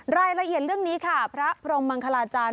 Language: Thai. รายละเอียดเรื่องนี้ค่ะพระพรมมังคลาจารย์